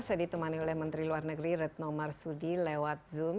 saya ditemani oleh menteri luar negeri retno marsudi lewat zoom